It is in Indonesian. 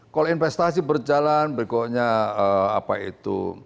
kalau investasi berjalan berikutnya apa itu